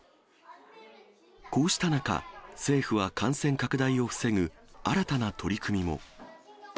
こうした中、政府は感染拡大を防ぐ新たな取り組みも。